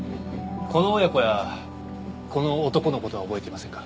この親子やこの男の事は覚えていませんか？